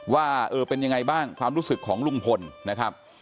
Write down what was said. ว่าเออเป็นยังไงบ้างความรู้สึกของลุงพลนะครับ